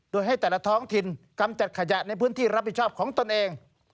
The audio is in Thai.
โดยให้แต่ละท้องถิ่นกำจัดขยะในพื้นที่รับผิดชอบของตนเอง